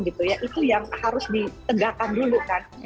itu yang harus ditegakkan dulu kan